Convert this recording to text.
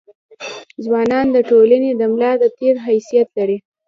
ځوانان د ټولني د ملا د تیر حيثيت لري.